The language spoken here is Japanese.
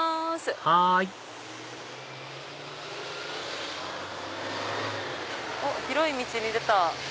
はい広い道に出た！